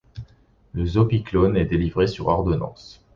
Le zopiclone est délivré sur ordonnance.